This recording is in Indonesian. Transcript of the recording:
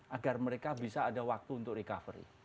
agar mereka bisa ada waktu untuk recovery